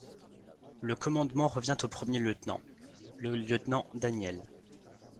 Le commandement revient au premier lieutenant, le lieutenant Daniel.